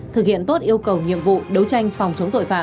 thực hiện tốt yêu cầu nhiệm vụ đấu tranh phòng chống tội phạm